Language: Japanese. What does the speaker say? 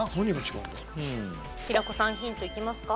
平子さんヒントいきますか？